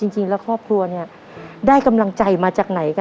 จริงแล้วครอบครัวได้กำลังใจมาจากไหน